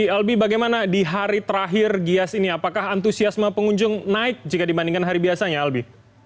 albi bagaimana di hari terakhir gias ini apakah antusiasme pengunjung naik jika dibandingkan hari biasanya albi